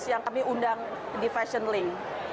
yang kami undang di fashion link